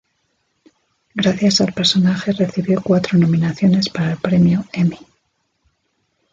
Gracias al personaje recibió cuatro nominaciones para el Premio Emmy.